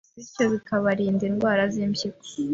bityo bikarinda indwara z’impyiko